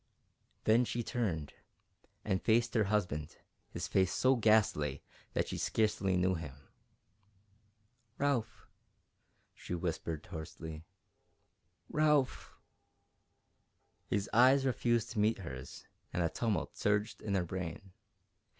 Then she turned and faced her husband, his face so ghastly that she scarcely knew him. "Ralph!" she whispered, hoarsely. "Ralph!" His eyes refused to meet hers, and a tumult surged in her brain.